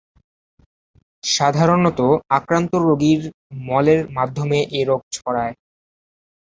সাধারণত আক্রান্ত রোগীর মলের মাধ্যমে এ রোগ ছড়ায়।